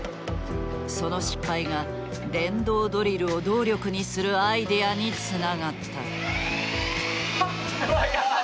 その失敗が電動ドリルを動力にするアイデアにつながった。